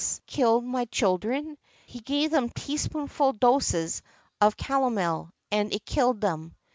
killed my children; he gave them teaspoonful doses of calomel, and it killed them.